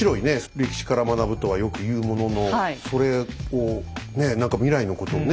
歴史から学ぶとはよく言うもののそれをねえ何か未来のことをね